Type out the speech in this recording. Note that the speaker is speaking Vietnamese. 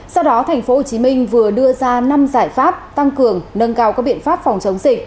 sau đó tp hcm vừa đưa ra năm giải pháp tăng cường nâng cao các biện pháp phòng chống dịch